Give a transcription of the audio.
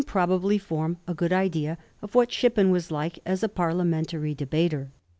probably form a good idea of what Shippen was as a Parliamentary debater.